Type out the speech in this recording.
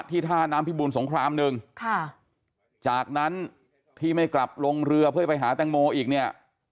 ท่าน้ำพิบูรสงครามหนึ่งค่ะจากนั้นที่ไม่กลับลงเรือเพื่อไปหาแตงโมอีกเนี่ย